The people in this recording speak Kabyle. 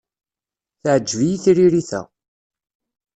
Teɛǧeb-iyi tririt-a.